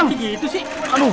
masa awam sih